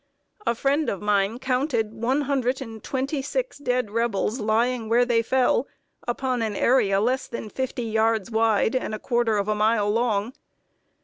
A friend of mine counted one hundred and twenty six dead Rebels, lying where they fell, upon an area less than fifty yards wide and a quarter of a mile long.